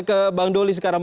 ke bang doli sekarang